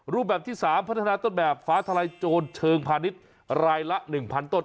รูปแบบที่๓พัฒนาต้นแบบฟ้าทลายโจรเชิงพาณิชย์รายละ๑๐๐ต้น